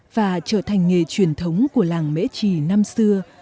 và trở thành nghề truyền thống của làng mễ trì năm xưa